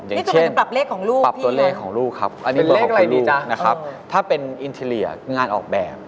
อย่างเช่นปรับตัวเลขของลูกครับอันนี้เป็นเบอร์ของคุณลูกนะครับถ้าเป็นอินเทลียร์งานออกแบบ